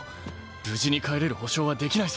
無事に帰れる保証はできないぞ。